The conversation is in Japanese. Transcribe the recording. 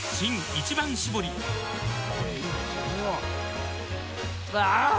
「一番搾り」あぁー！